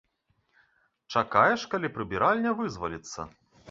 Чакаеш, калі прыбіральня вызваліцца.